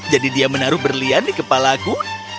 jadi dia menaruh berlian di kepala aku